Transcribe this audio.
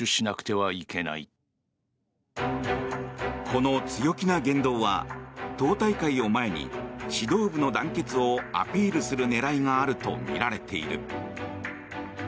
この強気な言動は党大会を前に指導部の団結をアピールする狙いがあるとみられている。